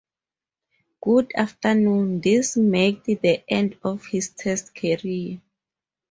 Good afternoon. This marked the end of his Test career.